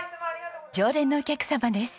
常連のお客様です。